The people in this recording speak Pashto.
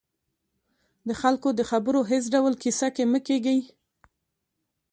د خلکو د خبرو هېڅ ډول کیسه کې مه کېږئ